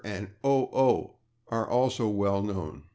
and "/oh, oh!/" are also well known.